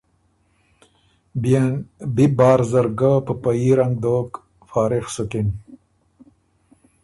بيې ن بی بار زر ګۀ په په يي رنګ دوک، فارغ سُکِن۔